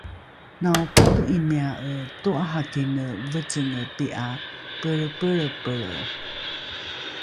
naopato’imia’e to’arakine vecenge pi’a pelrepelrepelre